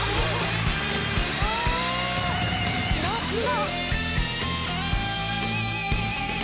あ夏だ。